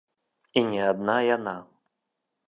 І не адна яна.